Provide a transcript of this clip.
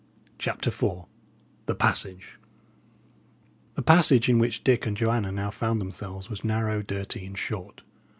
CHAPTER IV THE PASSAGE The passage in which Dick and Joanna now found themselves was narrow, dirty, and short.